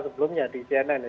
sebelumnya di cnn